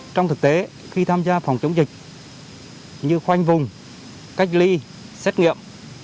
trong thực tế khi tham gia phòng chống dịch như khoanh vùng cách ly xét nghiệm